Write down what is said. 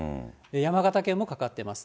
山形県もかかってます。